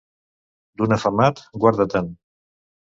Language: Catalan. D'un afamat, guarda-te'n.